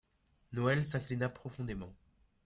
Noël s'inclina profondément.